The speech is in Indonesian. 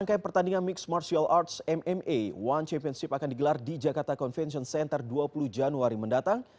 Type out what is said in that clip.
rangkaian pertandingan mixed martial arts mma one championship akan digelar di jakarta convention center dua puluh januari mendatang